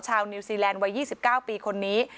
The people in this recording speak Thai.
นิวซีแลนด์วัย๒๙ปีคนนี้